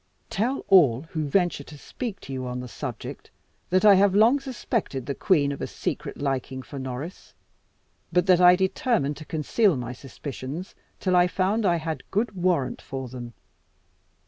Tell all who venture to speak to you on the subject that I have long suspected the queen of a secret liking for Norris, but that I determined to conceal my suspicions till I found I had good warrant for them.